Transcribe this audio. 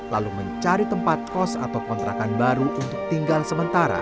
lalu mencari tempat kos atau kontrakan baru untuk tinggal sementara